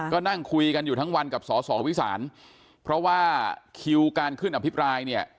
ก็นั่งคุยกันอยู่ทั้งวันกับสสวิสานเพราะว่าคิวการขึ้นอภิปรายเนี่ย